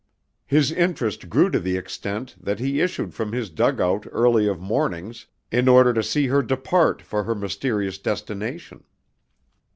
His interest grew to the extent that he issued from his dugout early of mornings in order to see her depart for her mysterious destination.